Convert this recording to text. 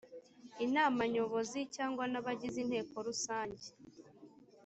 inama nyobozi cyangwa n’abagize inteko rusange